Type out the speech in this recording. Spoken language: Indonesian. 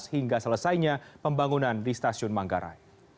hingga selesainya pembangunan di stasiun manggarai